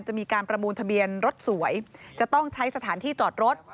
มีการประมูลทะเบียนรถสวยจะต้องใช้สถานที่จอดรถ